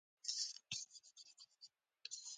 پاتې شه باران دی ناول ډېر د مینې له کیسو ډک ده.